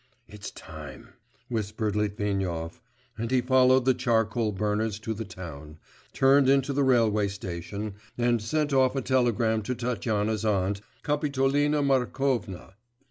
'It's time!' whispered Litvinov, and he followed the charcoal burners to the town, turned into the railway station, and sent off a telegram to Tatyana's aunt, Kapitolina Markovna.